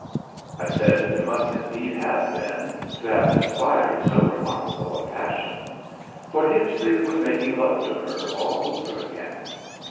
I said there must indeed have been, to have inspired so remarkable a passion. For Hippisley was making love to her all over again.